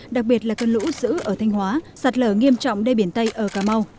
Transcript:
đặc biệt là cơn lũ giữ ở thanh hóa sạt lở nghiêm trọng đê biển tây ở cà mau